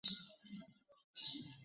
আহ, কাল রাতে?